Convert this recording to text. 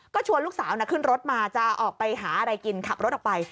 ก็ชวนลูกสาวขึ้นรถมาจะออกไปหาอะไรกินขับรถออกไป